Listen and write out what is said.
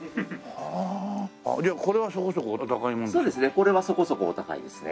これはそこそこお高いですね。